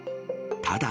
ただ。